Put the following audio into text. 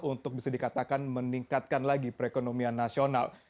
untuk bisa dikatakan meningkatkan lagi perekonomian nasional